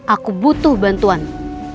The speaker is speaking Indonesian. aku butuh bantuanmu